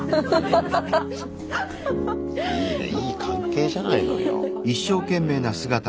いいねいい関係じゃないのよ。